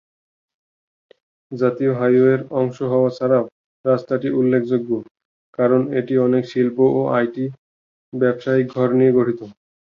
জাতীয় হাইওয়ের অংশ হওয়া ছাড়াও রাস্তাটি উল্লেখযোগ্য কারণ এটি অনেক শিল্প ও আইটি ব্যবসায়িক ঘর নিয়ে গঠিত।